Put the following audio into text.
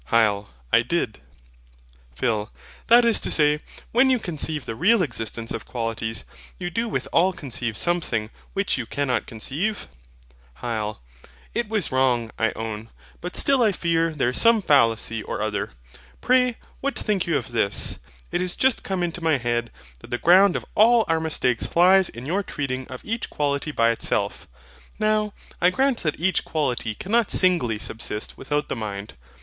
HYL. I did. PHIL. That is to say, when you conceive the real existence of qualities, you do withal conceive Something which you cannot conceive? HYL. It was wrong, I own. But still I fear there is some fallacy or other. Pray what think you of this? It is just come into my head that the ground of all our mistake lies in your treating of each quality by itself. Now, I grant that each quality cannot singly subsist without the mind.